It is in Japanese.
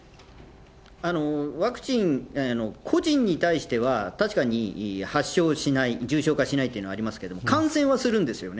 ワクチン、個人に対しては、確かに発症しない、重症化しないというのはありますけれども、感染はするんですよね。